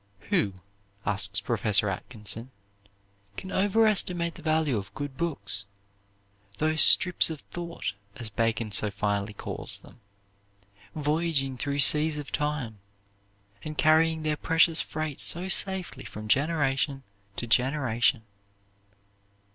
"Who," asks Professor Atkinson, "can overestimate the value of good books, those strips of thought, as Bacon so finely calls them, voyaging through seas of time, and carrying their precious freight so safely from generation to generation?